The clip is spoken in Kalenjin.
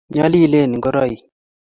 nyalilen ngoroik